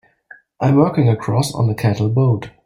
I'm working across on a cattle boat.